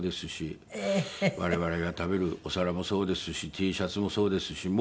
我々が食べるお皿もそうですしＴシャツもそうですし。